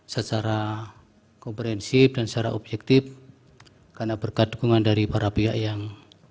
secara komprehensif dan secara objektif karena berkat dukungan dari para pihak yang